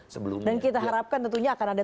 sebelum dan kita harapkan tentunya akan ada